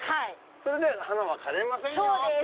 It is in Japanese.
それで花は枯れませんよ！って。